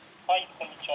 こんにちは。